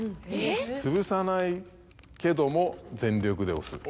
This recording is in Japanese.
つぶさないけども全力で押す。